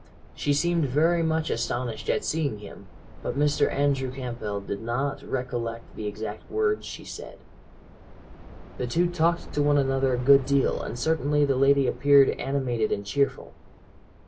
"She seemed very much astonished at seeing him, but Mr. Andrew Campbell did not recollect the exact words she said. "The two talked to one another a good deal, and certainly the lady appeared animated and cheerful.